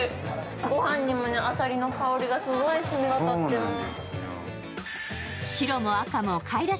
ご飯にもあさりの香りがすごいしみ渡ってる。